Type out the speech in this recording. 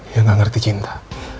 yang gak ngerti cinta